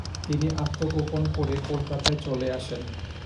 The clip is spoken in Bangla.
তিনি আত্মগোপন করে কলকাতায় চলে আসেন।